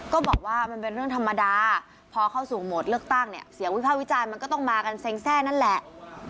ก็บอกว่ามันเป็นเรื่องธรรมดาพอเข้าสู่โหมดเลือกตั้งเนี่ยเสียงวิภาควิจารณ์มันก็ต้องมากันเซ็งแทร่นั่นแหละ